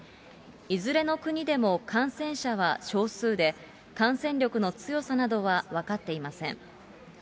いずれの国でも感染者は少数で、感染力の強さなどは分かっていません。